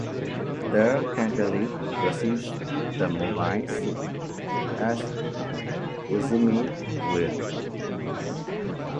There Cagalli receives the mobile suit as Uzumi's will.